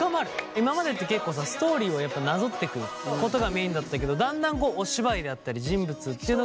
今までって結構さストーリーをやっぱなぞってくことがメインだったけどだんだんお芝居であったり人物っていうのが濃くなった。